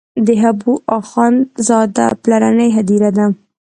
د حبو اخند زاده پلرنۍ هدیره ده.